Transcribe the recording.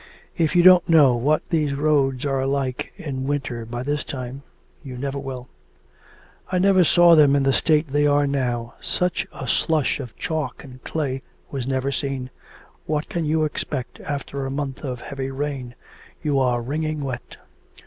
'If you don't know what these roads are like in winter by this time, you never will.' 'I never saw them in the state they are now; such a slush of chalk and clay was never seen.' 'What can you expect after a month of heavy rain? You are wringing wet.'